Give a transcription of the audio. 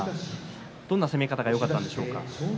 どんな攻め方がよかったですか？